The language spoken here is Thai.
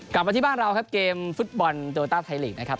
กลับมาที่บ้านเราครับเกมฟุตบอลเตียวอทศาสตร์ไทยอีกนะครับ